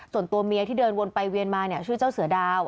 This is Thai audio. ส่วนตัวเมียที่เดินวนไปเวียนมาเนี่ยชื่อเจ้าเสือดาว